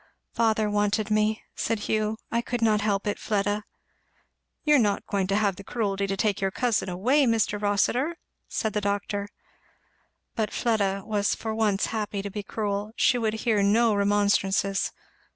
"Father wanted me," said Hugh. "I could not help it, Fleda." "You are not going to have the cruelty to take your a cousin away, Mr. Rossitur?" said the doctor. But Fleda was for once happy to be cruel; she would hear no remonstrances.